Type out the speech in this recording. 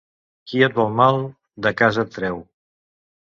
Qui et vol mal de casa et treu.